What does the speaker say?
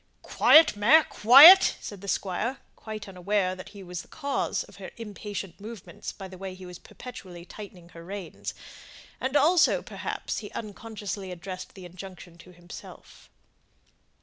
"Quiet, mare, quiet," said the Squire, totally unaware that he was the cause of her impatient movements by the way he was perpetually tightening her reins; and also, perhaps, he unconsciously addressed the injunction to himself.